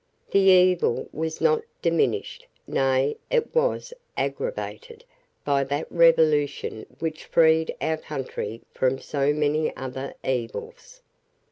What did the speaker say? The evil was not diminished, nay, it was aggravated, by that Revolution which freed our country from so many other evils.